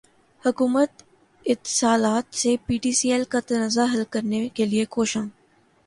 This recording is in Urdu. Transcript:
حکومت اتصالات سے پی ٹی سی ایل کا تنازع حل کرنے کیلئے کوشاں